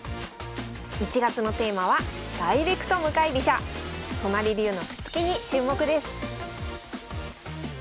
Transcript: １月のテーマは都成流の歩突きに注目です